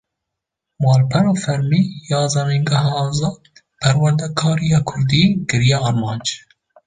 Malpera fermî ya Zanîngeha Azad, perwerdekariya Kurdî kiriye armanc